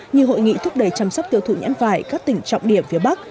như hội nghị thúc đẩy chăm sóc tiêu thụ nhãn vải các tỉnh trọng điểm phía bắc